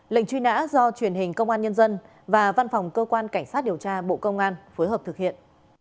lệnh truy nã do truyền hình công an nhân dân và văn phòng cơ quan cảnh sát điều tra bộ công an phối hợp thực hiện